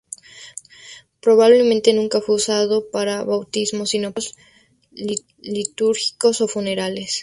Probablemente nunca fue usado para bautismos, sino para actos litúrgicos o funerales.